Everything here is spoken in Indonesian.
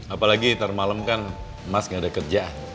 apalagi nanti malem kan mas gak ada kerjaan